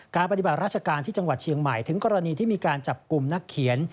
ปฏิบัติราชการที่จังหวัดเชียงใหม่ถึงกรณีที่มีการจับกลุ่มนักเขียน